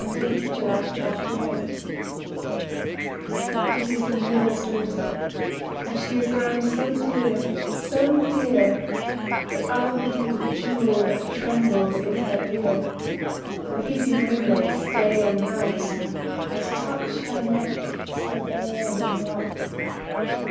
The Miller's Daughter IT is the miller's daughter, And she is grown so dear, so dear, That I would be the jewel That trembles in her ear: For hid in ringlets day and night, 5 I'd touch her neck so warm and white.